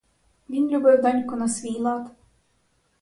Він любив доньку на свій лад.